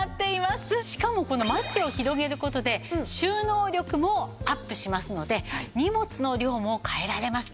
しかもこのマチを広げる事で収納力もアップしますので荷物の量も変えられます。